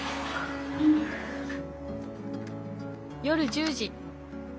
夜１０時。